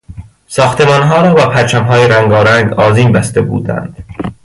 ساختمانها را با پرچمهای رنگارنگ آذین بسته بودند.